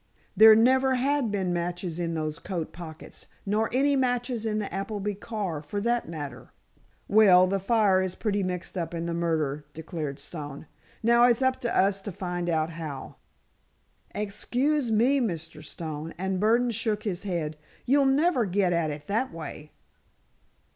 There never had been matches in those coat pockets, nor any matches in the Appleby car, for that matter." "Well, the fire is pretty well mixed up in the murder," declared Stone. "Now it's up to us to find out how." "Ex cuse me, Mr. Stone," and Burdon shook his head; "you'll never get at it that way."